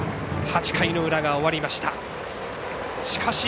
８回の裏が終わりました。